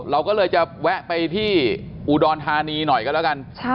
เราก็เลยจะแวะไปที่อุดรธานีหน่อยก็แล้วกัน